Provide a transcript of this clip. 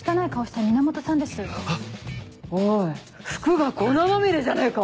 おい服が粉まみれじゃねえか！